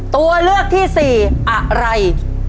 ตัวเลือกที่สี่อะไร